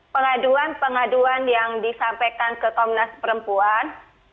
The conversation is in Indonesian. pengaduan pengaduan yang disampaikan ke komnas perempuan